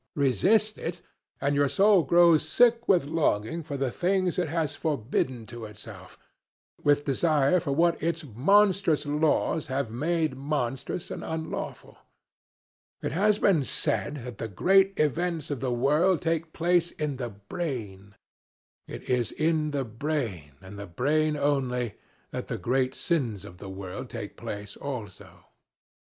Resist it, and your soul grows sick with longing for the things it has forbidden to itself, with desire for what its monstrous laws have made monstrous and unlawful. It has been said that the great events of the world take place in the brain. It is in the brain, and the brain only, that the great sins of the world take place also.